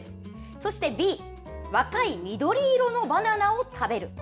そしてＢ若い緑色のバナナを食べる。